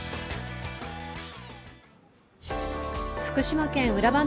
福島県裏